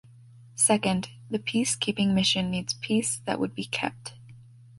Second, the peace-keeping mission needs peace that would be kept.